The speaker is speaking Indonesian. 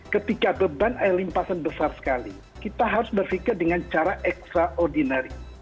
ketika beban air limpasan besar sekali kita harus berpikir dengan cara extraordinary